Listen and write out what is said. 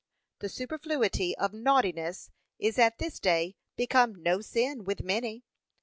The superfluity of naughtiness is at this day become no sin with many.